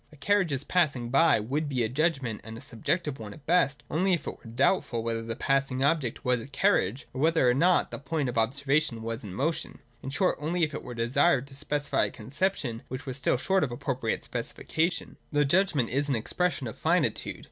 ' A carriage is passing by '— would be a judgment, and a subjective one at best, only if it were doubtful, whether the passing object was a carriage, or whether it and not rather the point of observation was in motion :— in short, only if it were desired to specify a conception which was still short of appropriate specification. 168.] The judgment is an expression of finitude.